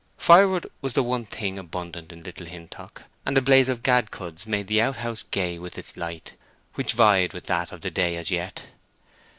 Firewood was the one thing abundant in Little Hintock; and a blaze of gad cuds made the outhouse gay with its light, which vied with that of the day as yet.